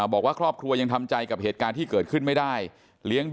บอกว่าครอบครัวยังทำใจกับเหตุการณ์ที่เกิดขึ้นไม่ได้